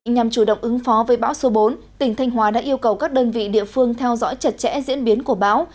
nhằm chủ động ứng phó với bão số bốn tỉnh thanh hóa đã yêu cầu các đơn vị địa phương theo dõi chặt chẽ diễn biến của bão